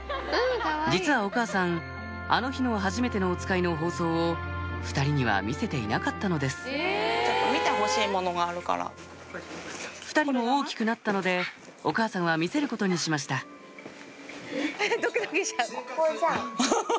実はお母さんあの日の『はじめてのおつかい』の放送を２人には見せていなかったのです２人も大きくなったのでお母さんは見せることにしましたハハハ。